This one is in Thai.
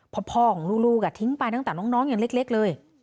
เพราะพ่อของลูกทิ้งไปตั้งแต่น้องยังเล็กเลย